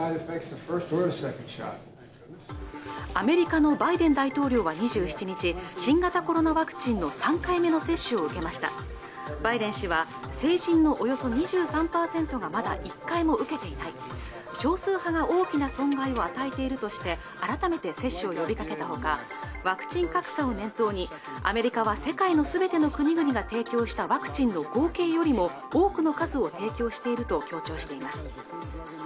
アメリカのバイデン大統領は２７日新型コロナワクチンの３回目の接種を受けましたバイデン氏は成人のおよそ２３％がまだ１回も受けていない少数派が大きな損害を与えているとして改めて接種を呼びかけたほかワクチン格差を念頭にアメリカは世界の全ての国々が提供したワクチンの合計よりも多くの数を提供していると強調しています